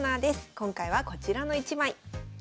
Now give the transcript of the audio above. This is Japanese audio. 今回はこちらの１枚。